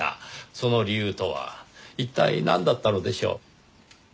その理由とは一体なんだったのでしょう？